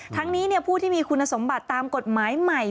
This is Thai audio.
ทั้งนี้ผู้ที่มีคุณสมบัติตามกฎหมายใหม่